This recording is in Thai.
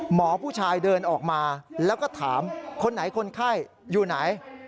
ผู้ชายเดินออกมาแล้วก็ถามคนไหนคนไข้อยู่ไหน